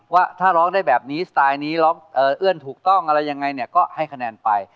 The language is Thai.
ว่าถ้าร้องได้แบบนี้สไตล์นี้ร้องเอื้อนถูกต้องอะไรยังไงเนี่ยก็ให้คะแนนไป